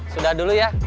sudah dulu ya